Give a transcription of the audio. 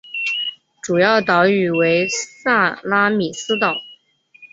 主要岛屿为萨拉米斯岛。